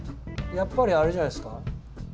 やっぱりあれじゃないですか。